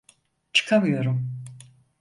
Çıkamıyorum.